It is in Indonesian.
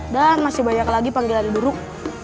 dan masih banyak lagi panggilan buruk